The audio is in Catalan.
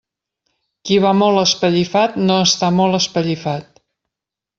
Qui va molt espellifat, no està molt espellifat.